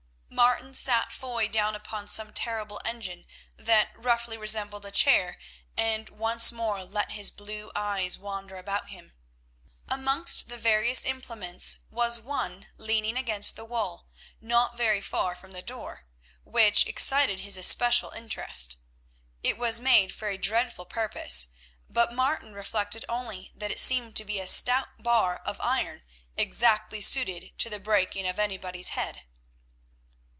Martin sat Foy down upon some terrible engine that roughly resembled a chair, and once more let his blue eyes wander about him. Amongst the various implements was one leaning against the wall, not very far from the door, which excited his especial interest. It was made for a dreadful purpose, but Martin reflected only that it seemed to be a stout bar of iron exactly suited to the breaking of anybody's head.